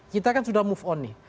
kita kan sudah move on nih